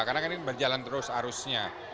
karena kan ini berjalan terus arusnya